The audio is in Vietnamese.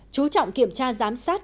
chú trọng kiểm tra giám sát